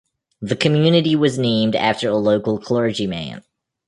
The community was named after a local clergyman.